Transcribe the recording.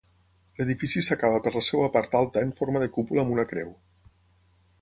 L'edifici s'acaba per la seva part alta en forma de cúpula amb una creu.